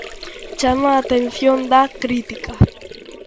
Chama a atención da crítica.